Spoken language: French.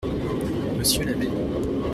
Monsieur l’abbé.